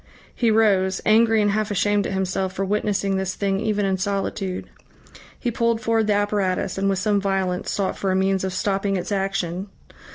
He rose, angry and half ashamed at himself for witnessing this thing even in solitude. He pulled forward the apparatus, and with some violence sought for a means of stopping its action.